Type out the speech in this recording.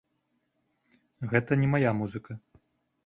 Гэта не мая музыка.